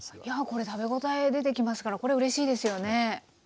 いやこれ食べ応え出てきますからこれうれしいですよね？